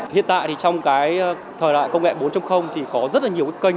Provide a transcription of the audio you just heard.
hiện tại thì trong cái thời đại công nghệ bốn thì có rất là nhiều cái kênh